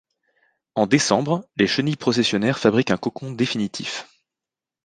En décembre, les chenilles processionnaires fabriquent un cocon définitif.